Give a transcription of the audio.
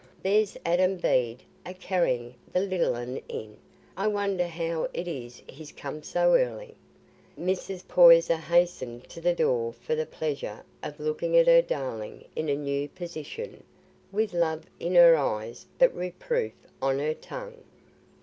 There's Adam Bede a carrying the little un in. I wonder how it is he's come so early." Mrs. Poyser hastened to the door for the pleasure of looking at her darling in a new position, with love in her eyes but reproof on her tongue.